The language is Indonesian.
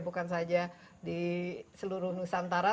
bukan saja di seluruh nusantara